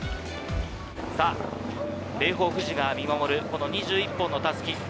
さあ、霊峰富士が見守る、この２１本のたすき。